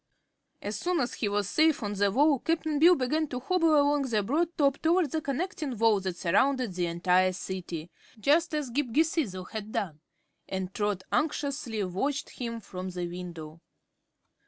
As soon as he was safe on the wall Cap'n Bill began to hobble along the broad top toward the connecting wall that surrounded the entire City just as Ghip Ghisizzle had done and Trot anxiously watched him from the window.